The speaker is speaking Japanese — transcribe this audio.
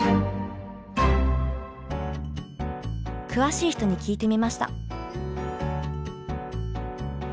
詳しい人に聞いてみました。